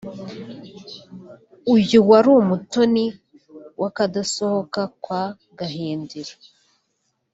uyu wari umutoni w’akadasohoka kwa Gahindiro